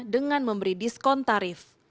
dengan memberi diskon tarif